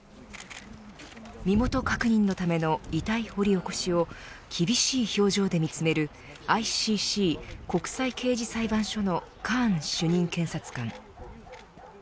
身元確認のための遺体掘り起こしを厳しい表情で見つめるＩＣＣ国際刑事裁判所のカーン主任検察官。